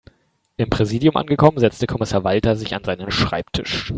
Im Präsidium angekommen, setzte Kommissar Walter sich an seinen Schreibtisch.